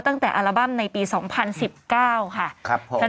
ตั้งแต่อัลบั้มในปี๒๐๑๙ค่ะ